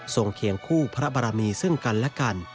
เคียงคู่พระบรมีซึ่งกันและกัน